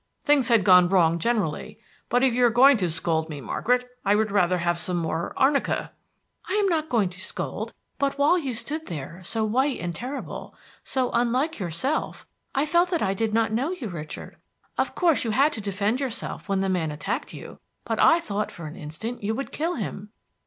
Things had gone wrong generally. But if you are going to scold me, Margaret, I would rather have some more arnica." "I am not going to scold; but while you stood there, so white and terrible, so unlike yourself, I felt that I did not know you, Richard. Of course you had to defend yourself when the man attacked you, but I thought for an instant you would kill him."